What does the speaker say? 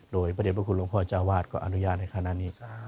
โดยพระเด็จพระคุณหลวงพ่อเจ้าวาดก็อนุญาตในขณะนี้